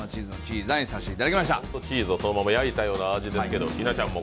本当にチーズをそのまま焼いたような味ですけど。